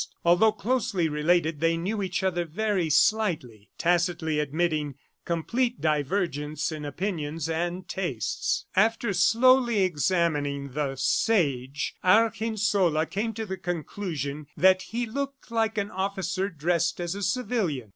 Although closely related, they knew each other very slightly, tacitly admitting complete divergence in opinions and tastes. After slowly examining the Sage, Argensola came to the conclusion that he looked like an officer dressed as a civilian.